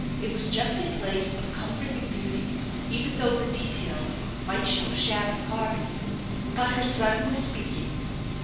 It was just a place of comfort and beauty, eyen though the details might show shabby poverty. But her son was speaking.